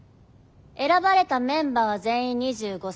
選ばれたメンバーは全員２５才以下。